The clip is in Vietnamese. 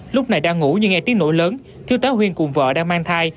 lúc này đang ngủ nhưng nghe tiếng nổi lớn thiếu tá huyên cùng vợ đang mang thai